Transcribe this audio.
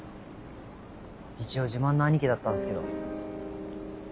一応自慢の兄貴だったんすけど。